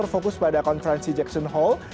fokus pada konferensi jackson hall